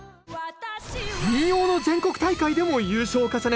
民謡の全国大会でも優勝を重ね